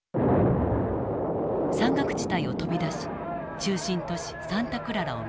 山岳地帯を飛び出し中心都市サンタクララを目指す。